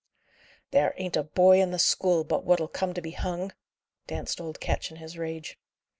"There ain't a boy in the school but what'll come to be hung!" danced old Ketch in his rage.